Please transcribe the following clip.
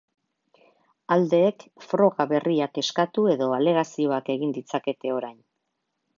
Aldeek froga berriak eskatu edo alegazioak egin ditzakete orain.